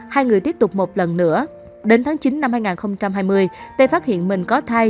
hai người tiếp tục một lần nữa đến tháng chín năm hai nghìn hai mươi tê phát hiện mình có thai